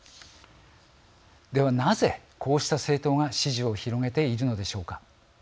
ではなぜ、こうした政党が支持を広げているのでしょうか。